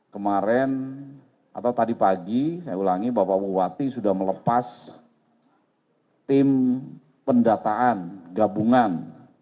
kemarin atau tadi pagi saya ulangi bapak bupati sudah melepas tim pendataan gabungan